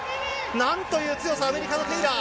なんという強さ、アメリカのテイラー。